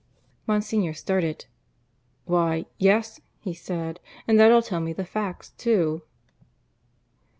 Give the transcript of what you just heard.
Monsignor started. "Why, yes," he said, "and that'll tell me the facts, too."